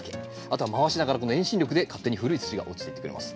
あとは回しながらこの遠心力で勝手に古い土が落ちていってくれます。